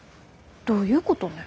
どういうことね？